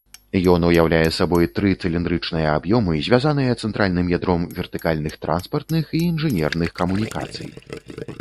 Ён уяўляе сабой тры цыліндрычныя аб'ёмы, звязаныя цэнтральным ядром вертыкальных транспартных і інжынерных камунікацый.